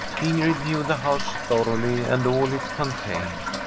Ingrid knew the house thoroughly and all it contained.